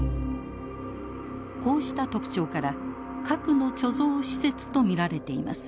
こうした特徴から核の貯蔵施設と見られています。